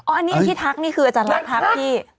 อันนี้ที่ทักนี่คืออาจารย์รักทักที่